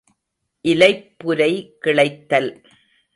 இலைப் புரை கிளைத்தல்.